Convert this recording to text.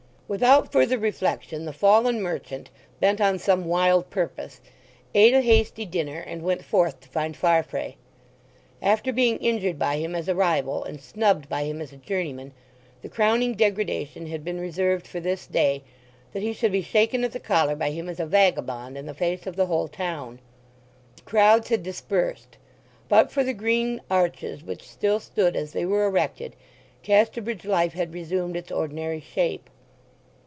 Without further reflection the fallen merchant, bent on some wild purpose, ate a hasty dinner and went forth to find Farfrae. After being injured by him as a rival, and snubbed by him as a journeyman, the crowning degradation had been reserved for this day—that he should be shaken at the collar by him as a vagabond in the face of the whole town. The crowds had dispersed. But for the green arches which still stood as they were erected Casterbridge life had resumed its ordinary shape.